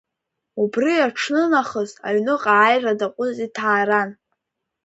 Убри аҽны нахыс аҩныҟа ааира даҟәыҵит Ҭааран.